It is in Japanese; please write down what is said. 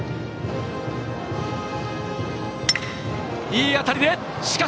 いい当たりだ！